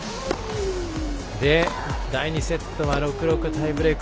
第２セットは６−６でタイブレーク。